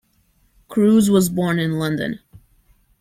Crewes was born in London.